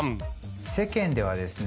世間ではですね